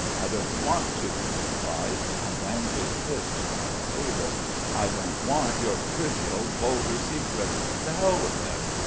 I don't want to," he cried and banged his fist upon the table. "I don't want your trivial vulgar secrets to Hell with them.